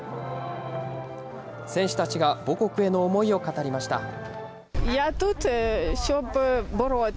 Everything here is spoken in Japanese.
選手たちが母国への思いを語りました。